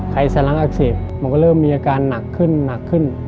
สล้างอักเสบมันก็เริ่มมีอาการหนักขึ้นหนักขึ้น